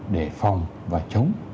để phòng và chống